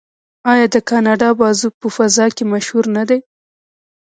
آیا د کاناډا بازو په فضا کې مشهور نه دی؟